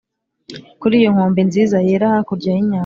kuri iyo nkombe nziza yera hakurya y'inyanja.